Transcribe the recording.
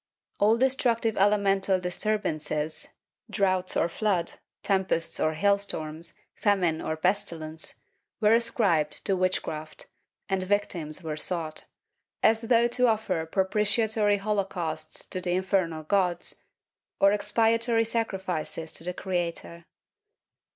All destructive elemental dis ( 206) Chap. IX] THE SABBAT 207 turbances — droughts or flood, tempests or hail storms, famine or pestilence — were ascribed to witchcraft, and victims were sought, as though to offer propitiatory holocausts to the infernal gods or expiatory sacrifices to the Creator.